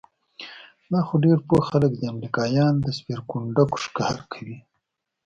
دا خو ډېر پوه خلک دي، امریکایان د سپېرکونډکو ښکار کوي؟